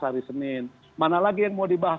hari senin mana lagi yang mau dibahas